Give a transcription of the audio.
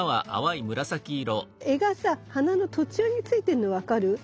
柄がさ花の途中についてんの分かる？